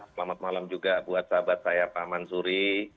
selamat malam juga buat sahabat saya pak mansuri